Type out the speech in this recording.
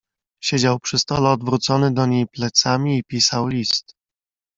"Siedział przy stole odwrócony do niej plecami i pisał list."